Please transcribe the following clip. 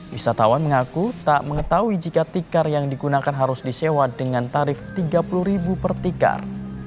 wisatawan mengaku tak mengetahui jika tikar yang digunakan harus disewa dengan tarif rp tiga puluh per tikar